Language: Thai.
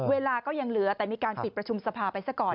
เวลาก็ยังเหลือแต่มีการปิดประชุมสภาไปซะก่อน